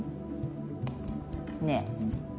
ねえ。